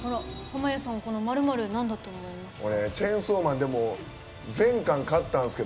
濱家さん、この○○なんだと思いますか？